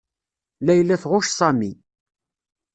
Layla tɣucc Sami.